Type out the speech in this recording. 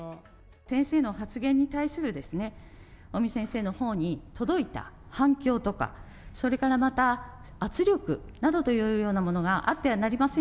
先生の発言に対する尾身先生のほうに届いた反響とか、それからまた圧力などというようなものがあってはなりません